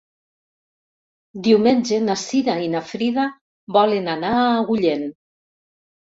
Diumenge na Cira i na Frida volen anar a Agullent.